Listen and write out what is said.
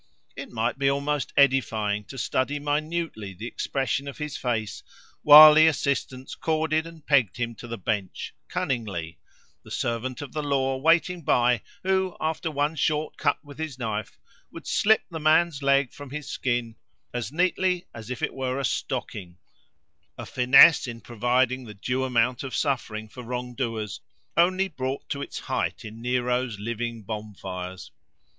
It might be almost edifying to study minutely the expression of his face, while the assistants corded and pegged him to the bench, cunningly; the servant of the law waiting by, who, after one short cut with his knife, would slip the man's leg from his skin, as neatly as if it were a stocking—a finesse in providing the due amount of suffering for wrong doers only brought to its height in Nero's living bonfires.